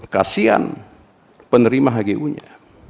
kasian penerima hgu nya